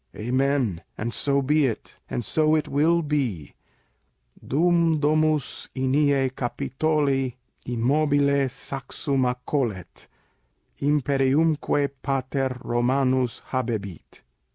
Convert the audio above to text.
Amen ! and so be it : and so it will be, Dum domus JEnese Capitoli immobile saxum Accolet ; imperiumque pater Eomanus habebit."